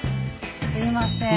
すいません。